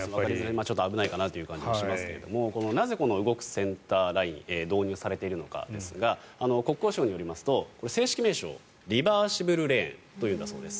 ちょっと危ないかなという感じがしますけれどなぜ、動くセンターライン導入されているのかですが国交省によりますと正式名称はリバーシブルレーンというんだそうです。